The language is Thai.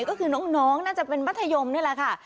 ก็คืนน้องน้องน่าจะเป็นประธาโยมได้หรอกค่ะ